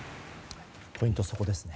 ポイントはそこですね。